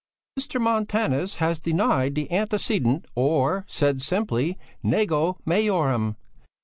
"Mr. Montanus has denied the antecedent or said simply: _nego majorem!